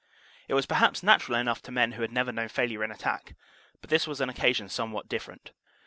It was perhaps natural enough to men who had never known failure in attack, but this was an occasion somewhat different.